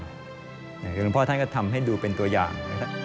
เพราะฉะนั้นพ่อท่านก็ทำให้ดูเป็นตัวอย่าง